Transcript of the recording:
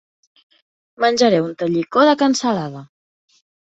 Menjaré un tallicó de cansalada.